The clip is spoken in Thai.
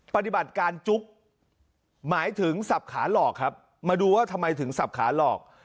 ปฏิบัติการจุ๊กหมายถึงสับขาหลอกครับมาดูว่าทำไมถึงสับขาหลอก